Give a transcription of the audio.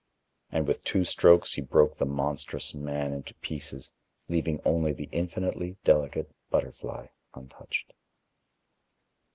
And with two strokes he broke the monstrous man into pieces, leaving only the infinitely delicate butterfly untouched.